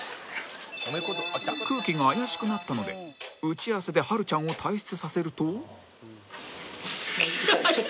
空気が怪しくなったので打ち合わせではるちゃんを退室させると